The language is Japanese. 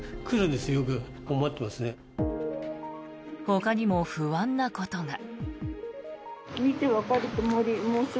ほかにも不安なことが。